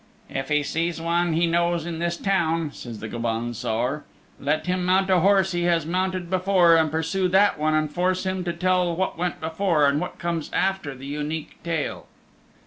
"If he sees one he knows in this town," said the Gobaun Saor, "let him mount a horse he has mounted before and pursue that one and force him to tell what went before and what comes after the Unique Tale."